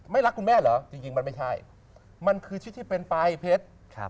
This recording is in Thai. รักคุณแม่เหรอจริงมันไม่ใช่มันคือชิดที่เป็นไปเพชร